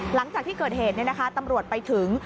หลังจากที่เกิดเหตุตำรวจไปถึง